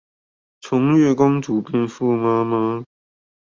從月光族變富媽媽